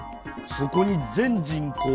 そこに全人口